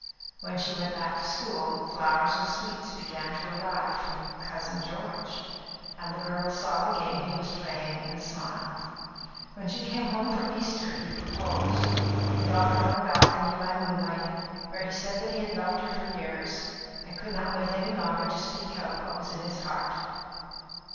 When she went back to school, flowers and sweets began to arrive from "Cousin George"; and the girl saw the game he was playing and smiled. When she came home for Easter, he proposed. He got her on a balcony, by moonlight, where he said that he had loved her for years, and could not wait any longer to speak out what was in his heart.